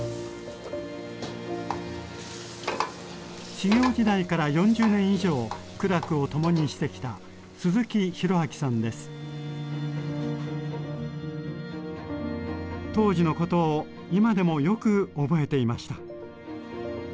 修業時代から４０年以上苦楽を共にしてきた当時のことを今でもよく覚えていました。